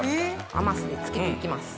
甘酢に漬けて行きます。